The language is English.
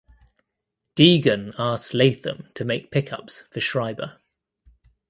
Deegan asks Latham to make pickups for Schreiber.